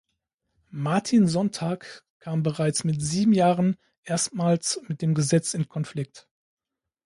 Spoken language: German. Martin Sonntag kam bereits mit sieben Jahren erstmals mit dem Gesetz in Konflikt.